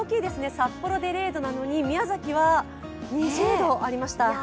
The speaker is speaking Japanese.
札幌で０度なのに宮崎で２０度ありました。